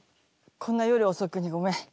こんな夜遅くにごめん。